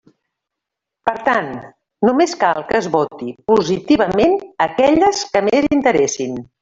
Per tant, només cal que es voti positivament aquelles que més interessin.